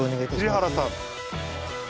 切原さん。